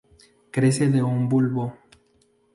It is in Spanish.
Crece de un bulbo.